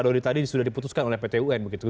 menurut pak dodi tadi sudah diputuskan oleh pt un